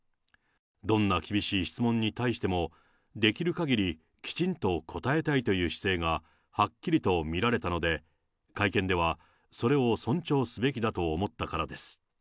どんな厳しい質問に対しても、できるかぎりきちんと答えたいという姿勢がはっきりと見られたので、会見ではそれを尊重すべきだと思ったからです。